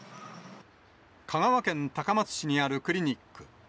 香川県高松市にあるクリニック。